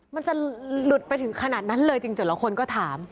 มันจะหลุดไปถึงขนาดนั้นเลยจริงแต่ละคนก็ถาม